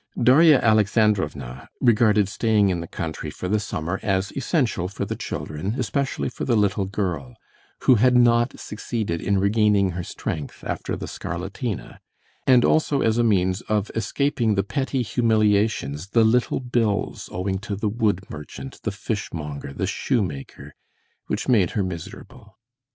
Darya Alexandrovna regarded staying in the country for the summer as essential for the children, especially for the little girl, who had not succeeded in regaining her strength after the scarlatina, and also as a means of escaping the petty humiliations, the little bills owing to the wood merchant, the fishmonger, the shoemaker, which made her miserable.